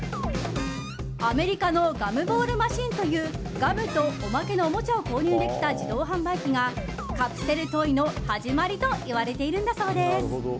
アメリカのガムボールマシンというガムとおまけのおもちゃを購入できた自動販売機がカプセルトイの始まりといわれているんだそうです。